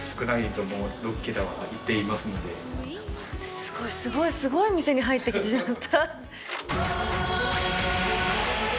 すごいすごいすごい店に入ってきてしまった。